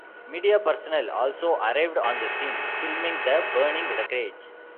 Media personnel also arrived on the scene, filming the burning wreckage.